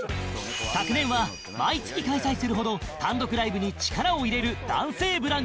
昨年は毎月開催するほど単独ライブに力を入れる男性ブランコ